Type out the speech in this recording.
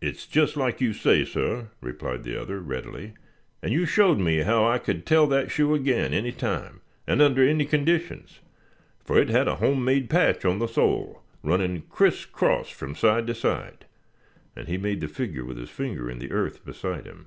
"It is just like you say, suh," replied the other, readily; "and you showed me how I could tell that shoe again any time, and under any conditions; foh it had a home made patch on the sole, running crisscross from side to side," and he made the figure with his finger in the earth beside him.